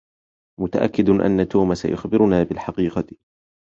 متأكد بأن توم سيخبرنا بالحقيقة.